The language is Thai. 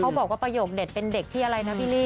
บอกว่าประโยคเด็ดเป็นเด็กที่อะไรนะพี่ลี่